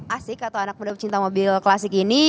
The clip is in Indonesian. asik atau anak muda pecinta mobil klasik ini